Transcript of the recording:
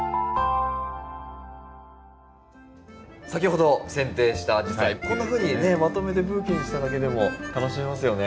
先ほどせん定したアジサイこんなふうにまとめてブーケにしただけでも楽しめますよね。